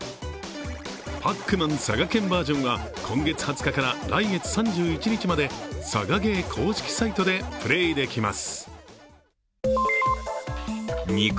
「パックマン佐賀県ｖｅｒ．」は今月２０日から来月３１日まで佐賀ゲー公式サイトでプレーできます。